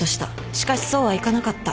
しかしそうはいかなかった。